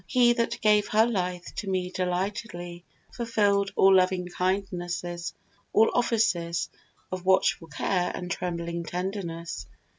He that gave Her life, to me delightedly fulfill'd All loving kindnesses, all offices Of watchful care and trembling tenderness.